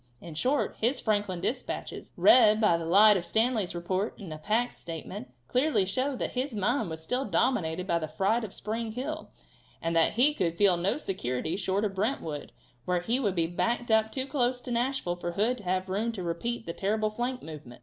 In short, his Franklin dispatches, read by the light of Stanley's report and of Hack's statement, clearly show that his mind was still dominated by the fright of Spring Hill, and that he could feel no security short of Brentwood, where he would be backed up too close to Nashville for Hood to have room to repeat that terrible flank movement.